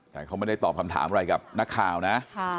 แต่เขาไม่ได้ตอบคำถามอะไรกับนักข่าวนะ